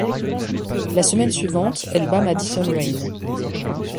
La semaine suivante elle bat Madison Rayne.